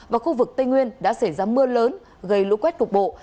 và khu vực tây nguyên đã xảy ra mưa lớn gây lũ quét cục bộ